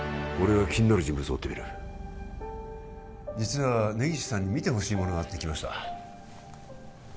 俺は気になる人物を追ってみる実は根岸さんに見てほしいものがあって来ました